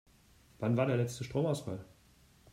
Wann war der letzte Stromausfall?